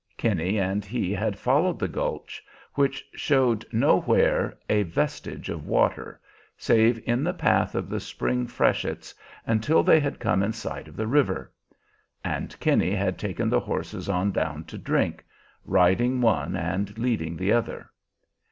Kinney and he had followed the gulch, which showed nowhere a vestige of water, save in the path of the spring freshets, until they had come in sight of the river; and Kinney had taken the horses on down to drink, riding one and leading the other.